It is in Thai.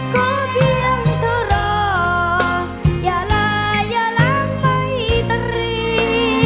ก็เพียงทุกรออย่าละอย่าล้างไปตรี